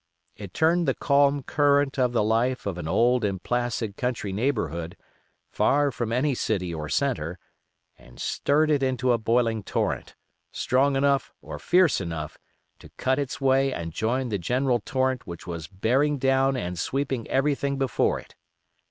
It turned the calm current of the life of an old and placid country neighborhood, far from any city or centre, and stirred it into a boiling torrent, strong enough, or fierce enough to cut its way and join the general torrent which was bearing down and sweeping everything before it.